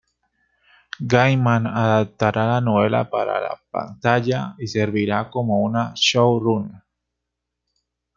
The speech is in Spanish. Gaiman adaptará la novela para la pantalla y servirá como showrunner.